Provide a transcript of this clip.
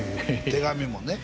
手紙もね